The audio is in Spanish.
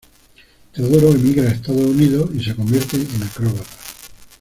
Teodoro emigra a Estados Unidos y se convierte en acróbata.